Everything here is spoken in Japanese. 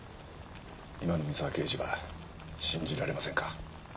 今の三沢刑事は信じられませんか。